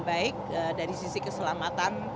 baik dari sisi keselamatan